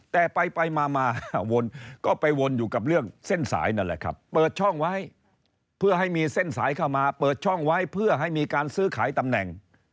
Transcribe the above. แต่ไปมาวนก็ไปวนอยู่กับเรื่องเส้นสายนั่นแหละครับเปิดช่องไว้เพื่อให้มีเส้นสายเข้ามาเปิดช่องไว้เพื่อให้มีการซื้อขายตำแหน่ง